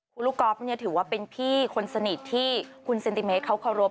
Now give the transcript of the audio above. คุณลูกก๊อฟเนี่ยถือว่าเป็นพี่คนสนิทที่คุณเซนติเมตรเขาเคารพ